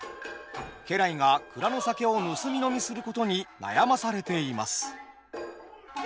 家来が蔵の酒を盗み飲みすることに悩まされています。